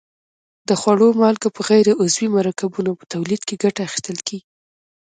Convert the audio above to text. د خوړو مالګه په غیر عضوي مرکبونو په تولید کې ګټه اخیستل کیږي.